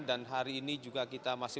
dan hari ini juga kita masih